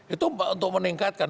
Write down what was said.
itu untuk meningkatkan